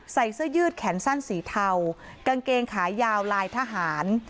เสื้อยืดแขนสั้นสีเทากางเกงขายาวลายทหาร